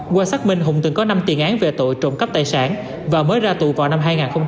qua xác minh hùng từng có năm tiền án về tội trộm cắp tài sản và mới ra tù vào năm hai nghìn một mươi ba